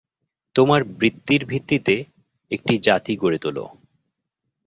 তোমার বৃত্তির ভিত্তিতে একটি জাতি গড়ে তোল।